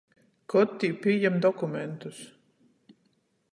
Kod tī pījam dokumentus?